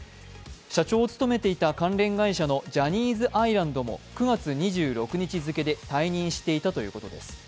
社長を務めていた関連会社のジャニーズアイランドも９月２６日付で退任していたということです。